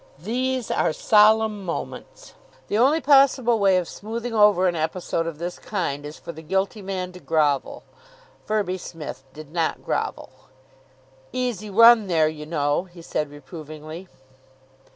These are solemn moments. The only possible way of smoothing over an episode of this kind is for the guilty man to grovel. Firby Smith did not grovel. "Easy run there, you know," he said reprovingly.